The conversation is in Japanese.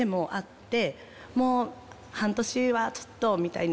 もう半年はちょっとみたいな。